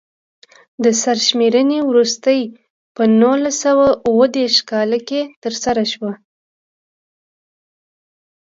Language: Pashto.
د سرشمېرنې وروستۍ په نولس سوه اووه دېرش کال کې ترسره شوه.